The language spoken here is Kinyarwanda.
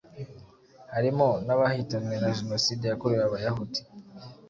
harimo n’abahitanywe na jenoside yakorewe Abayahudi.